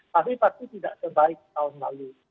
tapi pasti tidak sebaik tahun lalu